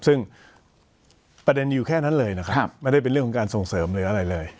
ซึ่งประเด็นอยู่แค่นั้นเลยนะครับไม่ได้เป็นเรื่องของการส่งเสริมหรืออะไรเลย